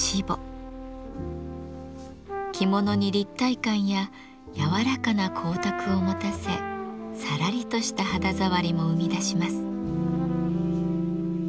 着物に立体感や柔らかな光沢を持たせさらりとした肌触りも生み出します。